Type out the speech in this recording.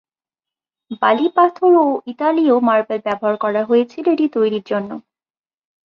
বালি পাথর ও ইতালীয় মার্বেল ব্যবহার করা হয়েছিল এটি তৈরির জন্য।